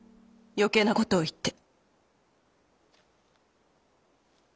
余計な事を言って。